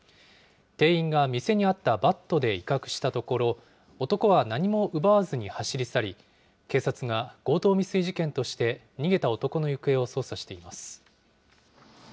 店員が店にあったバットで威嚇したところ、男は何も奪わずに走り去り、警察が強盗未遂事件として逃げた男の行方を捜査しています。